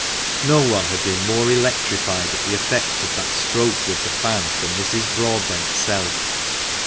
No one had been more electrified at the effect of that stroke with the fan than Mrs. Broadbent's self.